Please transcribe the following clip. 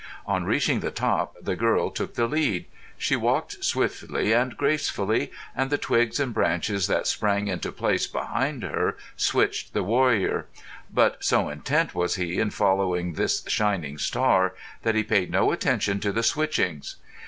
On reaching the top the girl took the lead. She walked swiftly and gracefully, and the twigs and branches that sprang into place behind her switched the warrior; but so intent was he in following this Shining Star that he paid no attention to the switchings.